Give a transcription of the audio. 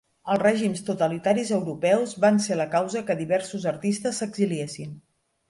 Els règims totalitaris europeus van ser la causa que diversos artistes s'exiliessin.